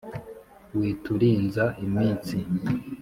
witurinza iminsi.